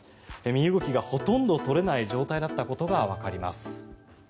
身動きがほとんど取れない状態だったことがわかります。